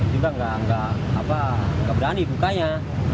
juga tidak keberani bukanya